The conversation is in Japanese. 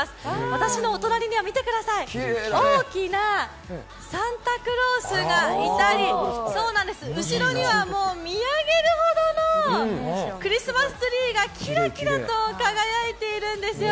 私のお隣には大きなサンタクロースがいたり後ろには見上げるほどのクリスマスツリーがキラキラと輝いているんですよ。